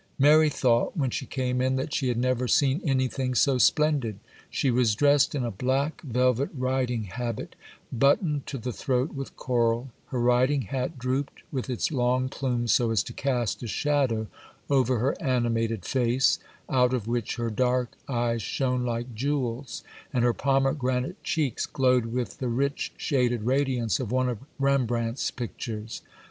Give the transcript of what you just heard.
Mary thought, when she came in, that she had never seen anything so splendid. She was dressed in a black velvet riding habit, buttoned to the throat with coral; her riding hat drooped with its long plumes so as to cast a shadow over her animated face, out of which her dark eyes shone like jewels, and her pomegranate cheeks glowed with the rich shaded radiance of one of Rembrandt's pictures.